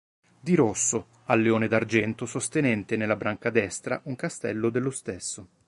Di rosso, al leone d'argento sostenente nella branca destra un castello dello stesso.